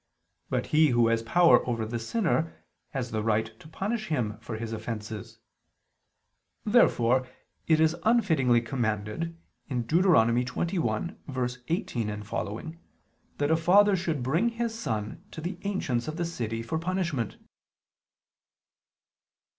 But he who has power over the sinner has the right to punish him for his offenses. Therefore it is unfittingly commanded (Deut. 21:18, seqq.) that a father should bring his son to the ancients of the city for punishment.